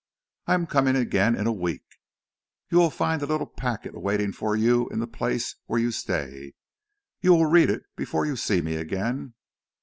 "I am coming again in a week." "You will find a little packet awaiting you in the place where you stay. You will read it before you see me again?"